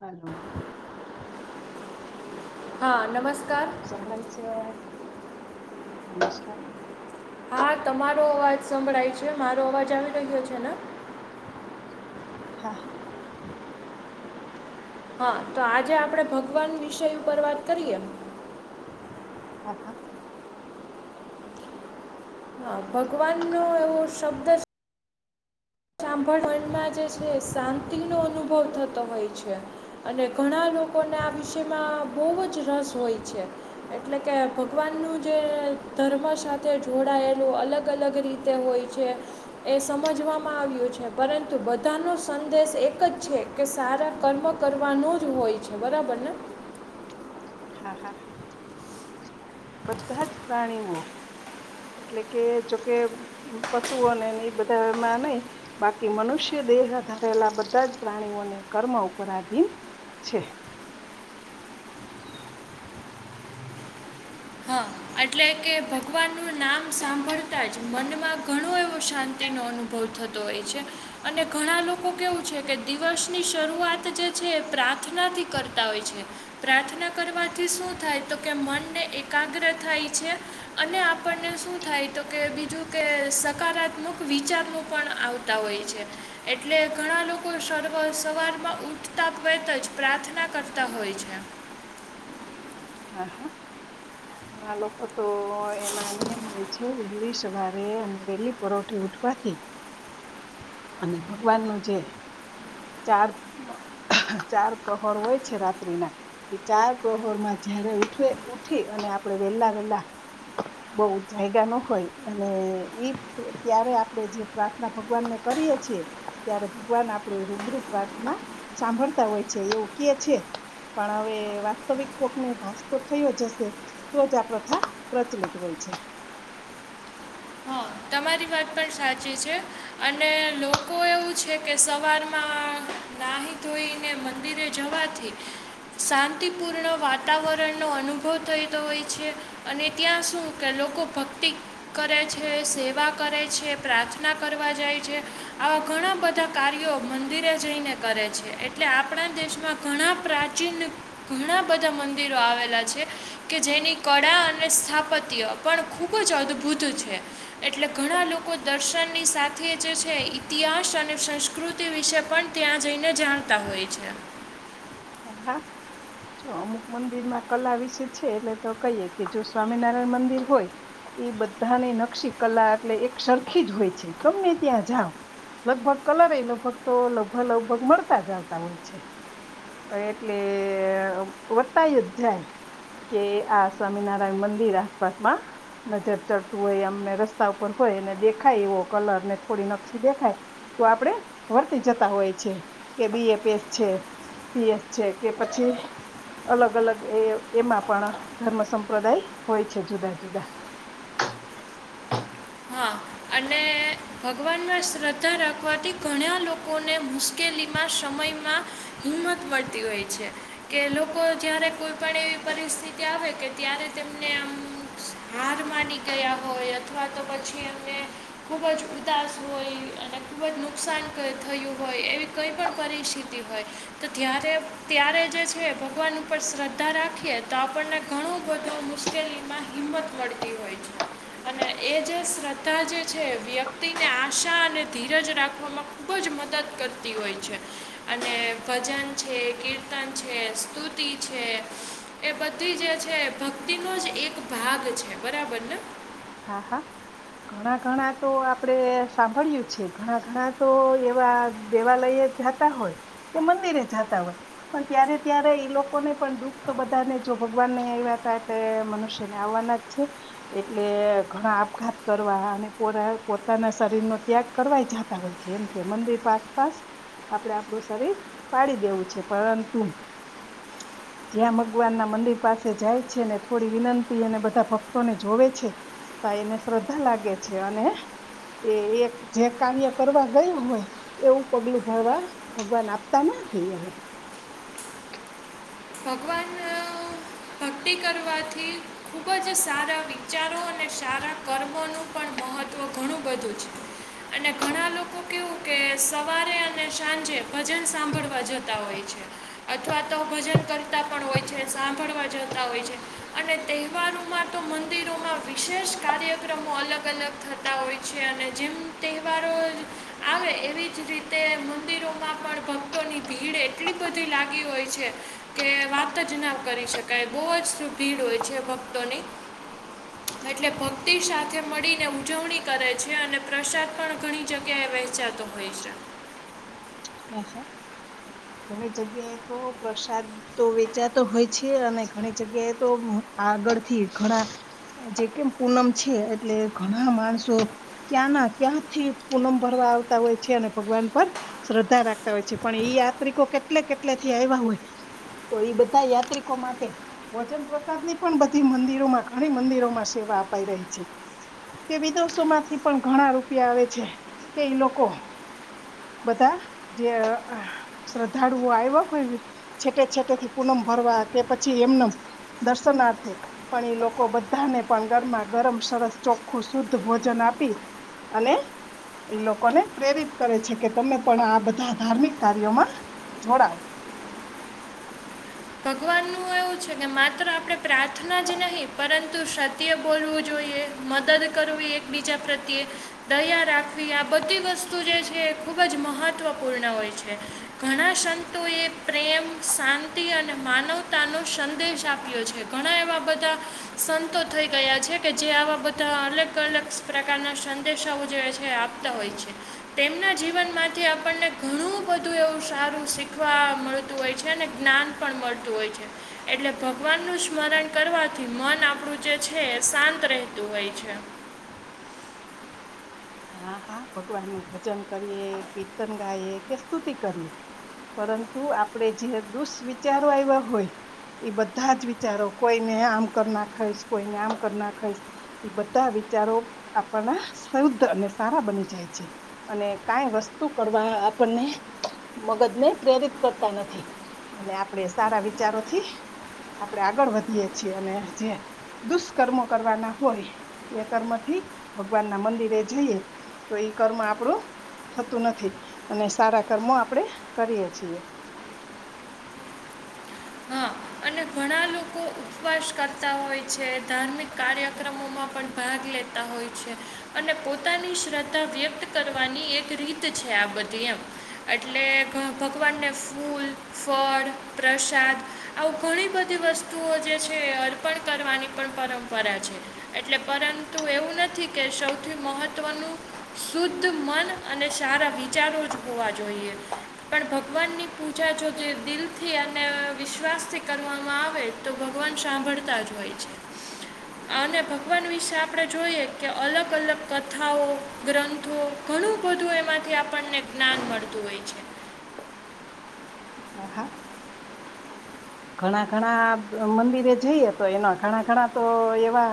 હાલો. હા નમસ સંભળાય છે અવાજ નમસ્કાર હા તમારો અવાજ સંભળાય છે, મારો અવાજ આવી રહ્યો છે ને હા. હા તો આજે આપડે ભગવાન વિષય ઉપર વાત કરીએ. હા હા. હા ભગવાન નો એવો શબ્દ છે. સાંભળ મનમાં જે છે શાંતિ નો અનુભવ થતો હોય છે અને ઘણા લો કોને આ વિષયમાં બહુ જ રસ હોય છે એટલે કે ભગવાનનું જે ધર્મ સાથે જોડાયેલું અલગ અલગ રીતે હોય છે એ સમજવામાં આવ્યું. પરંતુ બધા ન સંદેશ એક જ છે કે સારા કર્મ કરવાનો જ હોય છે. બરાબર ને. હા હા બધા જ પ્રાણીઓ એટલે કે જોકે પશુઓને બધા એમાં નઈ બાકી મનુષ્ય દેહ ધરેલા બધા જ પ્રાણીઓને કર્મ ઉપર આધીન છે. હા એટલે કે ભગવાનનું નામ સાંભળતા જ મનમાં ઘણો એવો શાંતિનો અનુભવ થતો હોય છે અને ઘણા લોકો કેવું છે કે દિવસની શરૂઆત જે છે પ્રા ર્થનાથી કરતા હોય છે. પ્રાર્થના કરવાથી શું થાય તો કે મનને એકાગ્ર થાય છે અને આપને શું થાય તો કે બીજું કે સકારાત્મક વિચાર પણ આવતા હોય છે એટલે ઘણા લોકો સર્વ સવારમાં ઉઠતા વતા જ પ્રાર્થના કરતા હોય છે. હા હા ઘણા લોકો તો એમાં એમ હોય છે. વેલી સવારે અને વેલી પરોઠે ઉઠવાથી. અને ભગવાનનું જે ચાર ચાર પ્રહોર હોય છે રાત્રિ ના એ ચાર પ્રહોર માં જયારે ઉઠવે ઉઠી અને આપણેે વેલા વેહેલા બહ જાયગા ન હોય અને ઈ ત્યારે આપણે જે પ્રાર્થના ભગવાન ને કરીએ છેીએ ત્યારે ભગવાન આપણું એ રૂબરૂપ પ્રાર્થના સાંભળતા હોય છે એવું કે છે. પણ હવે વાસ્તવિક કોકને ભાસ તો થયો જ હશે તો જ આ પ્રથા પ્રચલિત હોય છે. હ. તમારી વાત પણ સાચી છે અને લોકો એવું છે કે સવારમાં નાહી ધોઈને મંદિરે જવાથી. શાંતિપૂર્ણ વાતાવરણનોો અનુભવ થઈતો હોય છે અને ત્યાં શું કે લોકો ભક્તિ કરે છે. સેવા કરે છે પ્રાર્થના કરવા જાય છે આવા ઘણા બધા કાર્યો મંદિર જઈને કરે છે. એટલે આપણા દેશમાં ઘણા પ્રાચીન ઘણા બધા મંદિરો આવેલા છે. કે જેની કળા અને સ્થાપત્ય પણ ખૂબ જ અદ્ભુત છે. એટલે ઘણા લોકો દર્શનની સાથે જે છે ઇતિહાસ અને સંસ્કૃતિ વિશે પણ ત્યાં જઈને જાણતા હોય છે. હા હા. જો અમુક મંદિર માં કલા વિશે છે. એટલે તો કહીએ કે જો સ્વામિનારાયણ મંદિર હોય એ બધાની નકશી કલા એટલે એક સરખી જ હોય છે ગમે ત્યાં જાઓ. લગભગ કલર એ લગભગ તો લગભગ લગભગ મળતા જ આવતા હોય છે. એટલે વર્તાય જ જાય. કે આ સ્વામિનારાયણ મંદિર આસપાસમાં નજર ચડતું હોય અમને રસ્તા ઉપર હો ય એને દેખાય એવો કલર ને થોડી નકશી દેખાય. તો આપણેે વર્તી જતા હોય છે કે બી એ પેસ છે પીએસ છે કે પછી અલગ અલગ એ એમાં પણ ધર્મ સંપ્રદાય હોય છે જુદા જુદા. હા અને ભગવાનમાં શ્રદ્ધા રાખવાથી ઘણા લોકોને મુશ્કે લીમા સમમાં હિંમત મળતી હોય છે કે લોકો જયારે કોઈ પણ એવી પરિસ્થિતિ આવે કે ત્યારે તેમને આમ હાર માની ગયા હોય અથવા તો પછી એમને ખૂબ જ ઉદાસ હોય અને ખૂબ જ નુકસાન થયું હોય. એવી કંઈ પણ પરિસ્થિતિ હોય તો ત્યારે ત્યારે જે છે ભગવાન ઉપર શ્રદ્ધા રાખ- - રાખીએ, તો આપણને ઘણું બધું મુશ્કેલીમાં હિંમત મળતી હોય છે. અને- - એ જે શ્રદ્ધા જે છે વ્યક્તિને આશા અને ધીરજ રાખવામાં ખૂબ જ મદદ- - કરતી હોય છે અને ભજન છે કીર્તન છે સ્તુતિ છે. એ બધી જે છે ભક્તિનોો જ એક ભાગ છે બરાબર ને? હા હા. ઘણા ઘણા તો આપડે સાંભળય્યું છે ઘણા ઘણા તો એવા દેવાલય તા હોય કે મંદિરે જતા હોય પણ ત્યારે ત્યારે એ લોકોને પણ દુઃખ તો બધાને જો ભગવાન ને આવ્યા હતા, એટલે મનુષ્યને આવવાના જ છે, એટ એટલે ઘણા આપઘાત કરવા અને પોરા પોતાના શરીરનો ત્યાગ કરવા જતા હોય છે, એમ મંદિર પાસ પાસ આપડે આપણું શરીર પાડી દેવું છે, પરંતુ [unintelligible] જ્યાં ભગવાન ના મંદિર પાસે જાય છે, ને થોડી વિનંતી અને બધા ભક્તોને જોવે છે. તા એને શ્રદ્ધા લાગે છે અને એ એક જે કાર્ય કરવા ગયો હોય, એવું પગલું ભરવા ભગવાન આપતા ને [unintelligible] ભગવાન ભક્તિ કરવાથી ખૂબ જ સારા વિચારો અને સારા કર્મોનું પણ મહત્વ ઘણું બધું છે, અને ઘણા લોકો કેવું કે સવારે અને સાંજે ભજન સાંભળવા જતા હોય છે. અથવા તો ભજન કરતા પણ હોય છે, સાંભળવા જતા હોય છે અને તહેવારોમાં તો મંદિરોમાં વિશે વિશેષ કાર્યક્રમો અલગ અલગ થતા હોય છે, અને જેમ તહેવારો આવે એવી જ રીતે તે મંદિરોમાં પણ ભક્તોની ભીડ એટલી બધી લાગી હોય છે. કે વાત જ ના કરી શકાય બહુ જ ભીડ હોય છે ભક્તોની એટલે ભક્તિ સાથે મળીને ઉજવણી કરે છે, અને પ્રસાદ પણ ઘણી જગ્યા વહેચાતો હોય છે. હા હા ઘણી જગ્યાએ તો પ્રસાદ તો વેચાતો હોય છે, અને ઘણી જગ્યાએ તો આગળથી ઘણા જે કેમ પૂનમ છે, એટલે ઘણા માણસો ક્યાં ત્યાંથી પૂનમ ભરવા આવતા હોય છે, અને ભગવાન પર શ્રદ્ધા રાખતા હોય છે પણ ઈ યાત્રિકો કેટલે કેટલે થી આવ્યા હોય. તો એ બધા યાત્રિકો માટે વજન પ્રસાદ ની પણ બધી મંદિરોમાં ઘણી મંદિરોમાં સેવા બાપ રહી છે, કે વિદેશો માંથી પણ ઘણા રૂપિયા આવે છે, કે લોકો બધા જે શ્રદ્ધાળુઓ આવ્યા કોઈ છેટે છેટે થી પૂનમ ભરવા કે પછી એમના દર્શનાર્થે પણ એ લોકો બધાને પણ ગરમા ગરમ સરસ ચોખ્ખું શુદ્ધ ભોજન આપી અને એ લોકોને પ્રેરિત કરે છે, કે તમે પણ આ બધા ધાર્મિક કાર્યોમાં જોડાવ, ભગવાન નું એવું છે, કે માત્ર આપણે પ્રાર્થના જ નહીિ પરંતુ સત્ય બોલવું જોઈએ મદદ કરવી એકબીજા પ્રત્યે દયા રાખવી, આ બધી વસ્તુ જે છે એ ખૂબ જ મહત્ત્વપૂર્ણ હોય છે, ઘણા સંતોએ પ્રેમ શાંતિ અને માનવતાનો સંદેશ આપ્યો છે, ઘણા એવા બધા સંતો થઈ ગયા છે કે જે આવા બધા અલગ અલગ પ્રકારના સંદેશાઓ જે છે, આપ હોય છે, તેમના જીવનમાંથી આપણને ઘણું બધું એવું સારું શીખવા મળતું હોય છે, ને જ્ઞાન મળતું હોય છે, એટલે ભગવાનનું સ્મરણ કરવાથી મન આપણું જે છે, શાંત રહેતું હોય છે, હા, હા ભગવાન નું ભજન કરીએ, કીર્તન ગાઈએ કે સ્તુતિ કરીએ પરંતુ આપડે જે દુષ્વિચારો આવ્યા હોય એ બધા જ વિચારો કોઈને આમ કર ના ખાઈશ કોઈને આમ કર ના ખાઈશ એ બધા વી ચારો આપને શુદ્ધ અને સારા બની જાય છે અને કઈ વસ્તુ કરવા આપણને મગજ ને પ્રેરિત કરતા નથી અને આપણેે સારા વિચારોથી આપણેે આગળ વધીએ છીએ અને જે દુષ્કર્મો કરવાના હોય એ કર્મથી ભગવાન ના મંદિરે જઈએ. તો એઈ કર્મ આપડું થતું નથી અને સારા કર્મો આપણેે કરીએ છી. [inaudible] અને ઘણા લોકો ઉપવાસ કરતા હોય છે ધાર્મિક કાર્યક્રમોમાં પણ ભાગ લેતા હોય છે અને પોતાની શ્રદ્ધા વ્યક્ત કરવાની એક રીત છે આ બધી એમ એટલે ગ ભગવાનને ફૂલ, ફળ, પ્રસાદ આવું ઘણી બધી વસ્તુઓ જે છે એ અર્પણ કરવાની પણ પરંપરા છે એટલે પર તો એવું નથી કે સૌથી મહત્વનું શુદ્ધ મન અને શારા વિચાર હોવા જોઈએ પણ ભગવાનની પૂજા જો દિલથી અને વિશ્વાસ થી કરવામાં આવે તો ભગવાન સાંભળતા જ હોય છે. અને ભગવાન વિશે આપણે જોઈએ કે અલગ અલગ કથાઓ ગ્રંથો ઘણું બધું એમાંથી આપણને જ્ઞાન મળતું હોય છે. હ હા. ઘણા ઘણા મંદિરે જઈએ તો એના ઘણા ઘણા તો એવા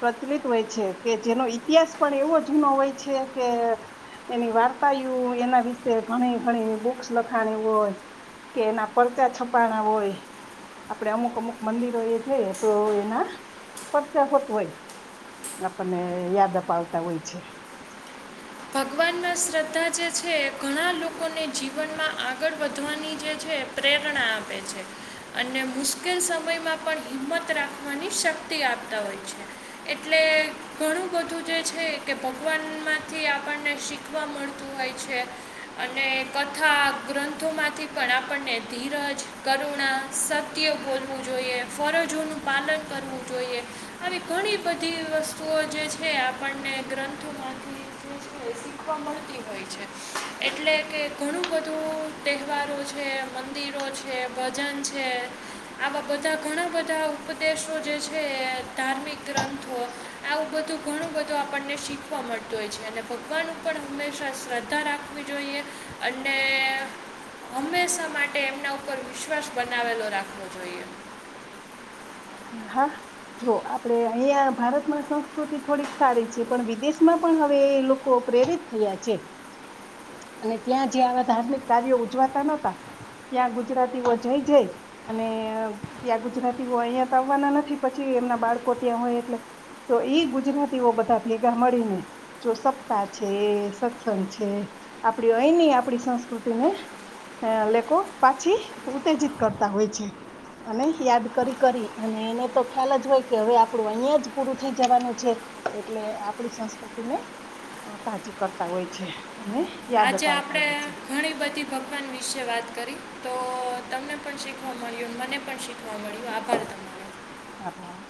પ્રચલિત હોય છે કે જેનો ઇતિહાસ પણ એવો જૂનો હોય છે કે એની વાર્ તા યું એના વિશે ઘણી ઘણી બુક્સ લખાણ હોય. કે એના પરચા છપાણા હોય. આપડે અમુક અમુક મંદિરો એ છે તો એના પદચાગત હોય. આપણને યાદ અપાવતા હોય છે. ત ભગવાનમાં શ્રદ્ધા જે છે ઘણા લોકોને જીવનમાં આગળ વધવાની જે છે પ્રેરણા આપે છે અને મુશ્કેલ સમયમાં પણ હિંમત રાખવાની શક્તિ આપ તા હોય છે એટલે ઘણું બધું જે છે કે ભગવાનમાંથી આપ પણને શીખવા મળતું હોય છે અને કથા ગ્રંથોમાંથી પણ આપણને અને ધીરજ કરુણા સત્ય બોલવું જોઈએ ફરજોનું પાલન કરવું જોઈ એ આવી ઘણી બધી વસ્તુઓ જે છે આપણને ગ્રંથોમાંથી [unintelligible] મળતી હોય છે. એટલે કે ઘણું બધું તહેવારો છે મંદિર રો છે ભજન છે આવા બધા ઘણા બધા ઉપદેશો જે છે ધાર્મિક ગ્રંથો આવું બધું ઘણું બધું આપણને શીખવા મળતું હોય છે. અને ભગવાન ઉપણ હંમેશા શ્રદ્ધા રાખવી જોઈએ અને હંમેશા માટે એમના ઉપર વિશ્વાસ બનાવેલો રાખવો જોઈએ. હા જો આપડે અહિયાં ભારતમાં સંસ્કૃતિ થોડીક સારી છે પણ વિદેશમાં પણ હવે એ લોકો પ્રેરિત થયા છે. [unintelligible] અને ત્યાં જે આવા ધાર્મિક કાર્યો ઉજવાતા નહતા ત્યાં ગુજરાતીઓ જઈ જાય અને ત્યાં ગુજરાતીઓ અહિયાં આવવાના નથી પછી એમના બાળકો ત્યાં હોય એટલે. તો ઈ ગુજરાતીઓ બધા ભેગા મળી ને જો સત્તા છે સત્સંગ છે. આપડી અહીની આપડી સંસ્કૃતિ ને હ લોકો પાછી ઉત્તેજિત કરતા હોય છે અને યાદ કરી કરી અને એને તો ખ્યાલ જ હોય કે હવે આપડું અહિયાં જ પૂરું થઈ જવાનું છે એટલે આપડી સંસ્કૃ તીને તાજી કરતા હોય છે. અને યાદ આજે અપાવતા આપડે હોય છે ઘણી બધી ભગવાન વિશે વાત કરી તો તમને પણ શીખવા મળ્યું મને પણ શીખવા મળ્યું આભાર તમારો આભાર